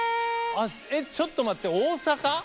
えっちょっと待って大阪？